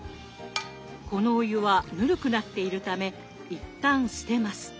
このお湯はぬるくなっているため一旦捨てます。